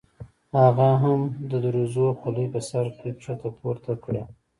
هغه هم د دروزو خولۍ په سر کې ښکته پورته کړه.